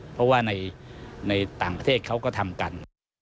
เพราะว่าในต่างประเทศเขาก็ทำกัน